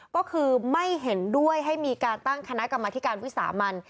ก็คือไม่เห็นด้วยให้มีการตั้งคณะกรรมธิการวิสามัน